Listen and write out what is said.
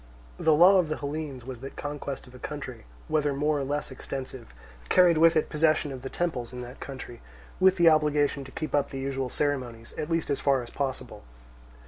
The law of the Hellenes was that conquest of a country, whether more or less extensive, carried with it possession of the temples in that country, with the obligation to keep up the usual ceremonies, at least as far as possible.